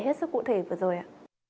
những chia sẻ cụ thể vừa rồi ạ